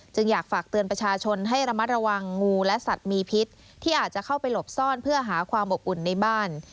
อยากฝากเตือนประชาชนให้ระมัดระวังงูและสัตว์มีพิษที่อาจจะเข้าไปหลบซ่อนเพื่อหาความอบอุ่นในบ้าน